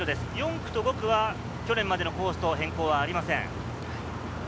４区と５区は去年までのコースと変更はありません。